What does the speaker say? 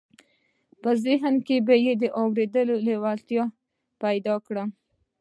په ذهن کې به یې د اورېدو لېوالتیا پیدا کړم